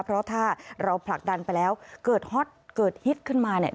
เพราะถ้าเราผลักดันไปแล้วเกิดฮอตเกิดฮิตขึ้นมาเนี่ย